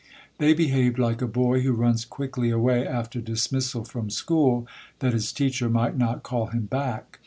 They behaved like a boy who runs quickly away after dismissal from school, that his teacher might not call him back.